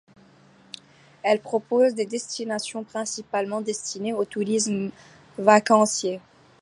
Elle propose des destinations principalement destinées au tourisme vacancier.